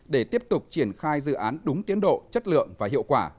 để tiếp tục triển khai dự án đúng tiến độ chất lượng và hiệu quả